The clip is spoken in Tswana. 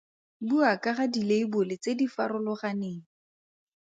Bua ka ga dileibole tse di farologaneng.